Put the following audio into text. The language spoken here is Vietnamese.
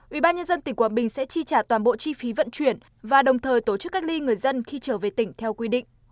ubnd tỉnh quảng bình sẽ chi trả toàn bộ chi phí vận chuyển và đồng thời tổ chức cách ly người dân khi trở về tỉnh theo quy định